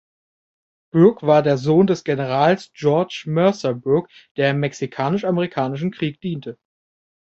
Brooke war der Sohn des Generals George Mercer Brooke, der im Mexikanisch-Amerikanischen Krieg diente.